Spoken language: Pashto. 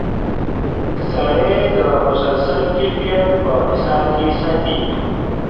سړی د مسلسل کیفیت په حصار کې ساتي.